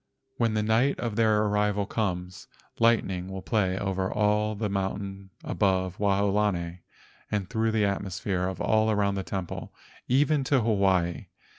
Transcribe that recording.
When the night of their arrival comes, lightning will play over all the mountains above Waolani and through the atmosphere all around the temple, even to Hawaii.